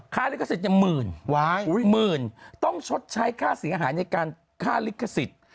ลิขสิทธิ์หมื่นหมื่นต้องชดใช้ค่าเสียหายในการค่าลิขสิทธิ์